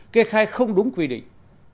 kê khai không đúng quy định